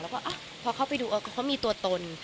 แล้วก็พอเข้าไปดูเขามีตัวตน